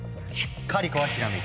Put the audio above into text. カリコはひらめいた！